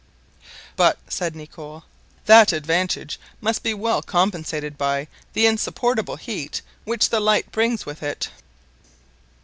"But," said Nicholl, "that advantage must be well compensated by the insupportable heat which the light brings with it."